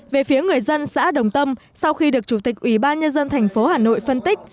về phía người dân xã đồng tâm sau khi được chủ tịch ủy ban nhân dân thành phố hà nội phân tích